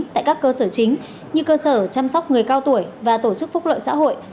tại các cơ sở chính như cơ sở chăm sóc người cao tuổi và tổ chức phúc lợi xã hội